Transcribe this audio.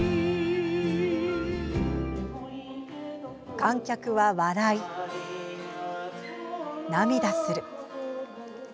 観客は笑い涙する。